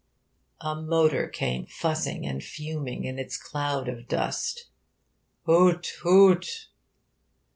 A motor came fussing and fuming in its cloud of dust. Hoot! Hoot!